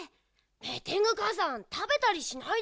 メテングかあさんたべたりしないでよ。